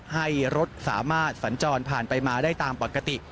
ให้รถสามารถสัญจรผ่านไปมาได้ตามปกติ